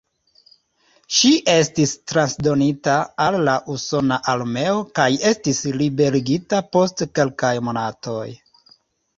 Ŝi estis transdonita al la usona armeo kaj estis liberigita post kelkaj monatoj.